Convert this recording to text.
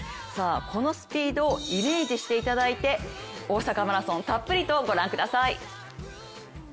このスピードをイメージしていただいて大阪マラソンたっぷりとご覧ください。